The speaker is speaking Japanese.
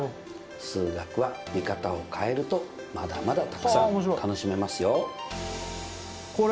数学は見方を変えるとまだまだたくさん楽しめますよ！